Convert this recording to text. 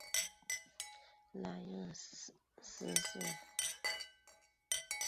拉热斯是巴西圣卡塔琳娜州的一个市镇。